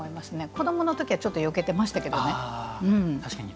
子どものときはよけてましたけどね。